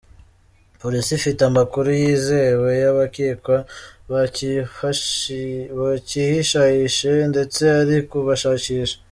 Polisi ifite amakuru yizewe y’abakekwa bacyihishahishe ndetse iri kubashakisha.